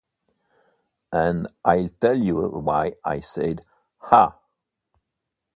And I'll tell you why I said "Ha!"